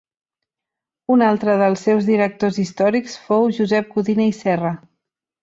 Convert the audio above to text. Un altre dels seus directors històrics fou Josep Codina i Serra.